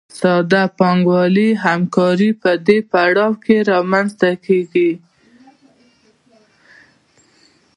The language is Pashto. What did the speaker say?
ساده پانګوالي همکاري په دې پړاو کې رامنځته کېږي